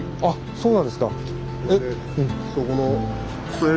そうなんですか。